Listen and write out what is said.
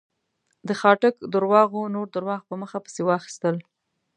د خاټک درواغو نور درواغ په مخه پسې واخيستل.